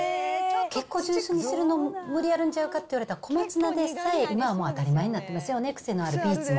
結構ジュースにするの無理あるんちゃうかといわれたら、小松菜で今はもう当たり前になってますよね、癖のあるビーツも。